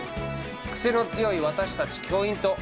癖の強い私たち教員と。